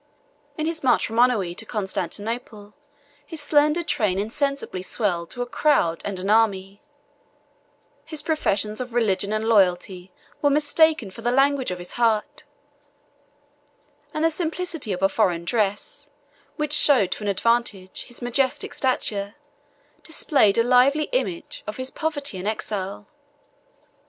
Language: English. In his march from Oenoe to Constantinople, his slender train insensibly swelled to a crowd and an army: his professions of religion and loyalty were mistaken for the language of his heart; and the simplicity of a foreign dress, which showed to advantage his majestic stature, displayed a lively image of his poverty and exile.